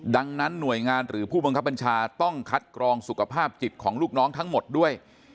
ดังนั้นหน่วยงานหรือผู้บังคับบัญชาต้องคัดกรองสุขภาพจิตของลูกน้องทั้งหมดด้วย